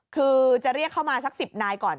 คือจะเรียกเข้ามาสัก๑๐นายก่อน